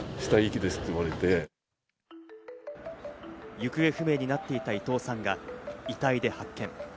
行方不明になっていた伊藤さんが遺体で発見。